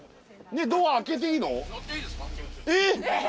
ドア開けていいの？